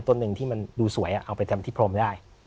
ต้นหนึ่งที่มันดูสวยเอาไปเต็มที่พรมได้